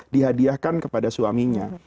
dihadiahkan kepada suaminya